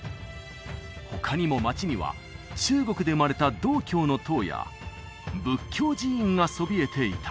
他にも街には中国で生まれた道教の塔や仏教寺院がそびえていた